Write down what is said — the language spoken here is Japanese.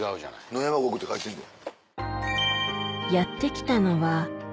「野山獄」って書いてんで。